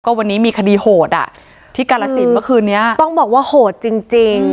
วันนี้มีคดีโหดอ่ะที่กาลสินเมื่อคืนนี้ต้องบอกว่าโหดจริงจริง